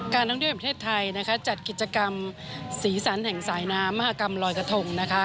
ท่องเที่ยวประเทศไทยจัดกิจกรรมสีสันแห่งสายน้ำมหากรรมลอยกระทง